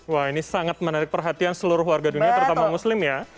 wah ini sangat menarik perhatian seluruh warga dunia terutama muslim ya